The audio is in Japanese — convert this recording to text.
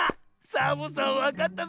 サボさんわかったぞ。